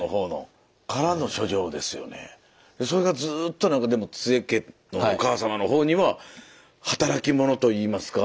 それがずーっとなんかでも津江家のお母様のほうには働き者と言いますか。